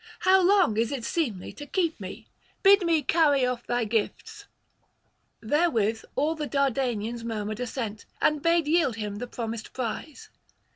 how long is it seemly to keep me? bid me carry off thy gifts.' Therewith all the Dardanians murmured assent, and bade yield him the promised prize.